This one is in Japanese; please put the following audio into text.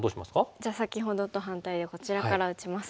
じゃあ先ほどと反対でこちらから打ちます。